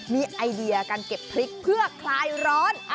มีไอเดียการเก็บพริกเพื่อคลายร้อน